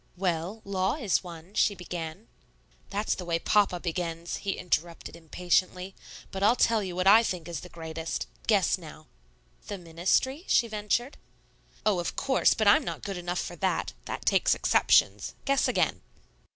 "Well, law is one " she began. "That's the way Papa begins," he interrupted impatiently; "but I'll tell you what I think is the greatest. Guess, now." "The ministry?" she ventured. "Oh, of course; but I'm not good enough for that, that takes exceptions. Guess again."